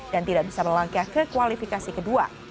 dan tidak bisa melangkah ke kualifikasi kedua